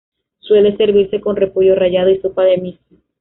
Suele servirse con repollo rallado y sopa de "miso".